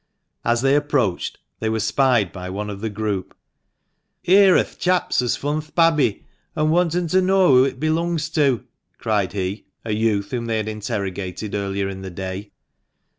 As they approached, they were spied by one of the group. " Here are th' chaps as fund th' babby, an' want'n to know who it belungs to," cried he, a youth whom they had interrogated early in the day.